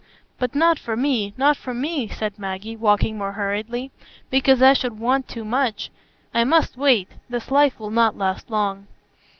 "But not for me, not for me," said Maggie, walking more hurriedly; "because I should want too much. I must wait; this life will not last long."